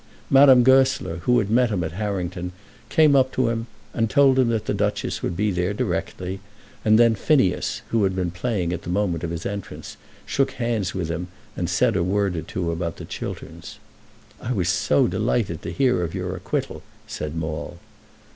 Madame Goesler, who had met him at Harrington, came up to him, and told him that the Duchess would be there directly, and then Phineas, who had been playing at the moment of his entrance, shook hands with him, and said a word or two about the Chilterns. "I was so delighted to hear of your acquittal," said Maule.